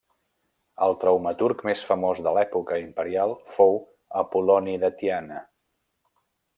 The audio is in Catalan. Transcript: El taumaturg més famós de l'època imperial fou Apol·loni de Tiana.